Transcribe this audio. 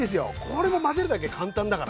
これも混ぜるだけ簡単だから。